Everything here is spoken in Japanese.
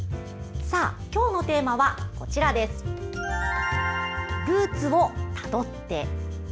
今日のテーマは「ルーツをたどって」。